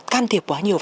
can thiệp quá nhiều